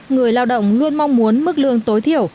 người lao động luôn mong muốn mức lương tối thiểu